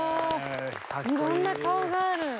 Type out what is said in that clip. いろんな顔がある。